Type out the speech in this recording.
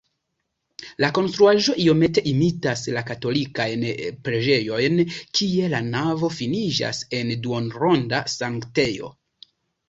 La konstruaĵo iomete imitas la katolikajn preĝejojn, kie la navo finiĝas en duonronda sanktejo.